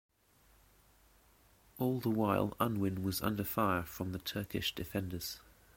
All the while Unwin was under fire from the Turkish defenders.